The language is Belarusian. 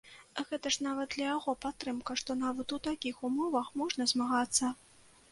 Гэта ж нават для яго падтрымка, што нават у такіх умовах можна змагацца.